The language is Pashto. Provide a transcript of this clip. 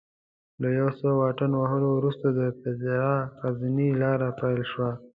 له یو څه واټن وهلو وروسته د پیترا غرنۍ لاره پیل شوه.